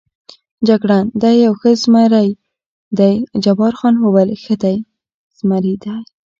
جګړن: دی یو ښه زمري دی، جبار خان وویل: دی ښه زمري دی.